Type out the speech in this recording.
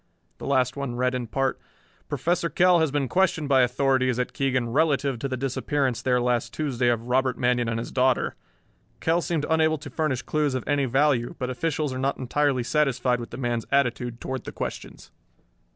The last one read in part: Professor Kell has been questioned by authorities at Keegan relative to the disappearance there last Tuesday of Robert Manion and his daughter. Kell seemed unable to furnish clues of any value, but officials are not entirely satisfied with the man's attitude toward the questions.